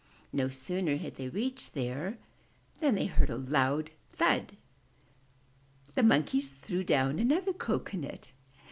No sooner had they reached there, than they heard a loud thud — the Monkeys threw down another cocoanut!